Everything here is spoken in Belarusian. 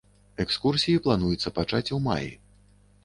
Экскурсіі плануецца пачаць у маі.